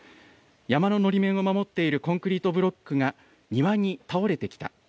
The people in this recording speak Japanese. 山ののり面を守っているコンクリートブロックが庭に倒れてきた。